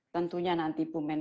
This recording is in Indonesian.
tentunya nanti bumen